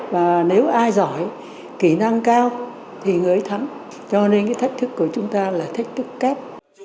và nếu ai giỏi kỹ năng cao thì người ấy thắm cho nên cái thách thức của chúng ta là thách thức kép